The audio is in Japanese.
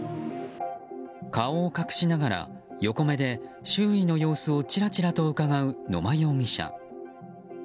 顔を隠しながら横目で周囲の様子をチラチラとうかがう野間容疑者。